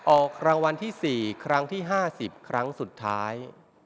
ออกรางวัลที่๔ครั้งที่๕๐ครั้งสุดท้าย